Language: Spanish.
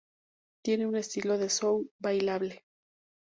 Tiene un estilo soul bailable.